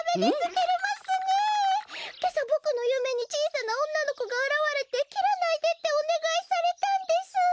けさボクのゆめにちいさなおんなのこがあらわれて「きらないで」っておねがいされたんです。